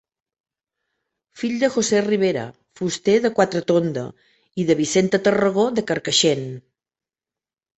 Fill de José Ribera, fuster de Quatretonda, i de Vicenta Tarragó, de Carcaixent.